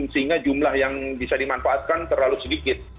sehingga jumlah yang bisa dimanfaatkan terlalu sedikit